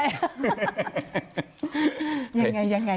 ยังไงยังไงยังไง